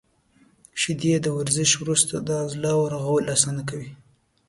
• شیدې د ورزش وروسته د عضلاتو رغول اسانه کوي.